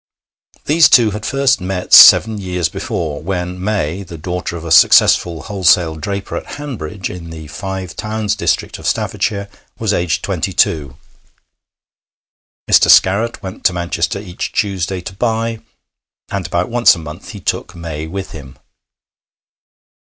These two had first met seven years before, when May, the daughter of a successful wholesale draper at Hanbridge, in the Five Towns district of Staffordshire, was aged twenty two. Mr. Scarratt went to Manchester each Tuesday to buy, and about once a month he took May with him.